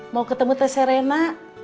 mau ketemu teh serena